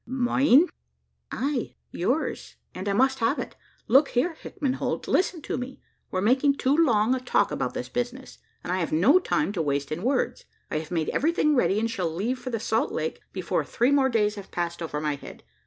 "Myen?" "Ay, yours; and I must have it. Look here, Hickman Holt! Listen to me! We're making too long a talk about this business; and I have no time to waste in words. I have made everything ready; and shall leave for the Salt Lake before three more days have passed over my head.